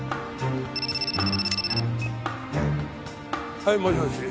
はいもしもし。